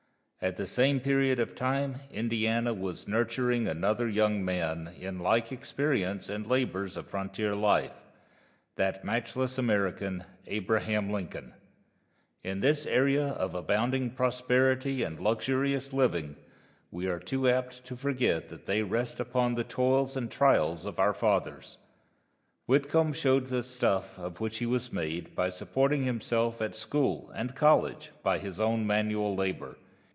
At the same period of time Indiana was nurturing another young man in like experience and labors of frontier life that matchless American, Abraham Lincoln. In this era of abounding prosperity and luxurious living, we are too apt to forget that they rest upon the toils and trials of our fathers. Whitcomb showed the stuff of which he was made by supporting himself at school and college by his own manual labor.